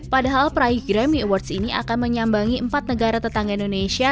padahal peraih grammy awards ini akan menyambangi empat negara tetangga indonesia